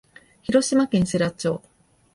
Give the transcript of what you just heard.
広島県世羅町